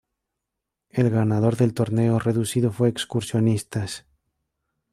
El ganador del torneo reducido fue Excursionistas.